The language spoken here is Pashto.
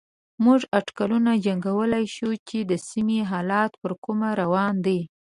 موږ اټکلونه جنګولای شو چې د سيمې حالات پر کومه روان دي.